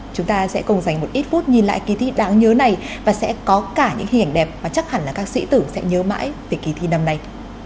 chúng ta sẽ cùng dành một ít phút nhìn lại kỳ thi đáng nhớ này và sẽ có cả những hình ảnh đẹp và chắc hẳn là các sĩ tử sẽ nhớ mãi về kỳ thi năm nay